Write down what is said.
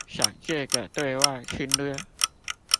想藉著對外侵略